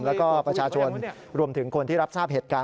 แล้วก็ประชาชนรวมถึงคนที่รับทราบเหตุการณ์